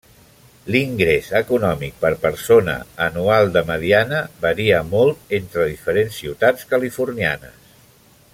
L'ingrés econòmic per persona anual de mediana varia molt entre diferents ciutats californianes.